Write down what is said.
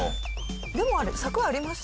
でもあれ柵ありました。